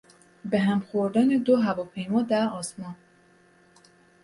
به هم خوردن دو هواپیما در آسمان